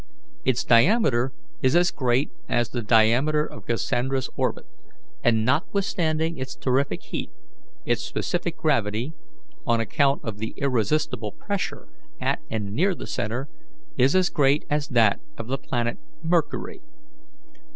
Its diameter is as great as the diameter of Cassandra's orbit, and notwithstanding its terrific heat, its specific gravity, on account of the irresistible pressure at and near the centre, is as great as that of the planet Mercury.